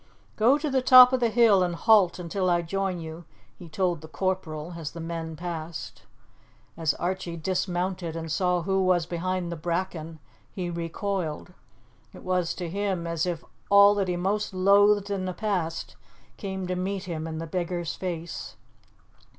"Go to the top of the hill and halt until I join you," he told the corporal as the men passed. As Archie dismounted and saw who was behind the bracken, he recoiled. It was to him as if all that he most loathed in the past came to meet him in the beggar's face.